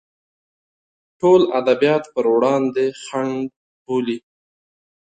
ټول ادبیات پر وړاندې خنډ بولي.